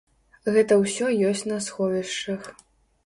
Гэта ўсё ёсць на сховішчах.